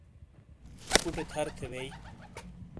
کوٹے تھر تھے بئی